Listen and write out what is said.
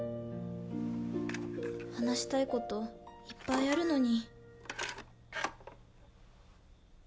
話したいこといっぱいあるのに。